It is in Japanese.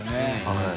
はい。